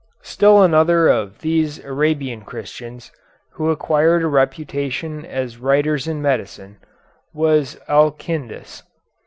Still another of these Arabian Christians, who acquired a reputation as writers in medicine, was Alkindus.